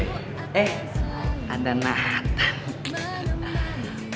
eh ada nathan